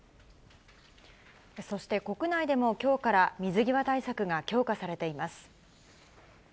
そして国内でもきょうから水際対策が強化されています。